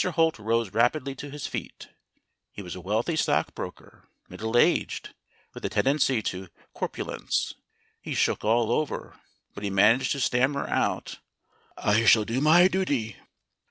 Holt rose rapidly to his feet. He was a wealthy stockbroker, middle aged, with a tendency to corpu lence. He shook all over, but he managed to stammer out, "I shall do my duty."